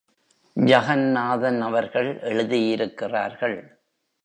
ஜகந்நாதன் அவர்கள் எழுதியிருக்கிறார்கள்.